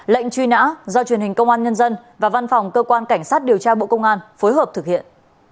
lệnh truy nã do truyền hình công an nhân dân và văn phòng cơ quan cảnh sát điều tra bộ công an phối hợp thực hiện